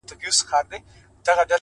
هره هڅه راتلونکی پیاوړی کوي’